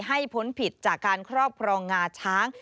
พ้นผิดจากการครอบครองงาช้าง